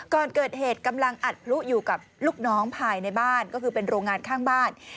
ก่อนเกิดเหตุกำลังอัดพลุอยู่กับลูกน้องภายในบ้านก็คือเป็นโรงงานข้างบ้าน